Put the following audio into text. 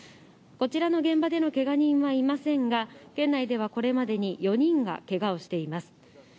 こちらの現場でのけが人はいませんが、県内ではこれまでに４人がけがをしています。